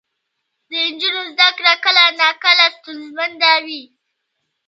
د نجونو زده کړه کله ناکله ستونزمنه وي.